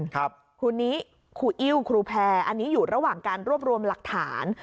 ครูนี้ครูอิ้วครูแพรอันนี้อยู่ระหว่างการรวบรวมหลักฐาน